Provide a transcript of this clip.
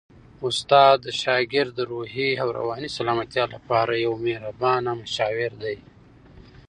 استاد د شاګرد د روحي او رواني سلامتیا لپاره یو مهربان مشاور دی.